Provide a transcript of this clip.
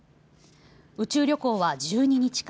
宇宙旅行は１２日間。